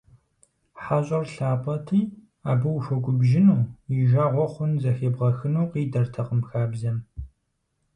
ХьэщӀэр лъапӀэти, абы ухуэгубжьыну, и жагъуэ хъун зыхебгъэхыну къидэртэкъым хабзэм.